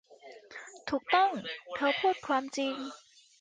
ถูกต้อง เธอพูดความจริง